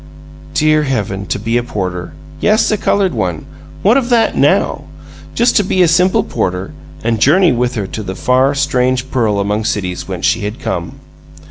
Dear Heaven! to be a porter yes, a colored one! What of that, NOW? Just to be a simple porter, and journey with her to the far, strange pearl among cities whence she had come!